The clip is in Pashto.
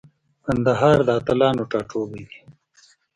کندهار د اتلانو ټاټوبی دی.